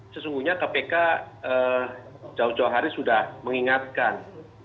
sesungguhnya kpk jauh jauh hari sudah mengingatkan